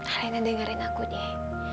alena dengerin aku deh